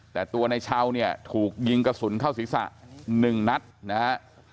แต่ตัวในเช้าเนี่ยถูกยิงกระสุนเข้าศีรษะ๑นัดนะฮะ